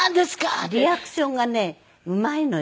リアクションがねうまいのよ。